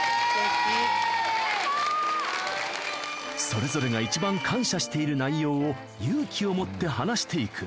それぞれが一番感謝している内容を勇気を持って話していく